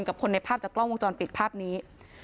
กับคนในภาพจากกล้องวงจรปิดภาพนี้